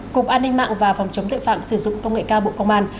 cục an ninh mạng và phòng chống tội phạm sử dụng công nghệ cao bộ công an